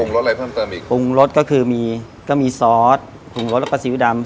รสอะไรเพิ่มเติมอีกปรุงรสก็คือมีก็มีซอสปรุงรสแล้วก็ซีอิ๊วดำ